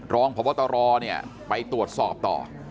รองพบตรไปตรวจสอบต่อ